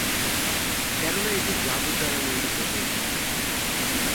কেননা এটি জাদুর দ্বারা নির্মিত হয়েছে।